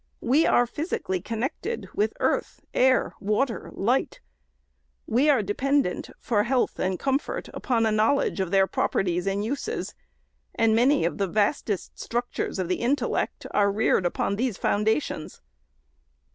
We are physically connected with earth, air, water, light ; we are dependent, for health and comfort, upon a knowledge of their properties and uses, and many of the vastest struc tures of the intellect are reared upon these foundations.